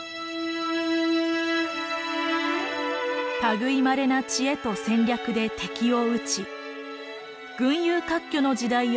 類いまれな知恵と戦略で敵を討ち群雄割拠の時代を駆け抜けていった孔明。